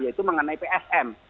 yaitu mengenai psn